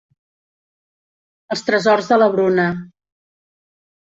Els tresors de la Bruna.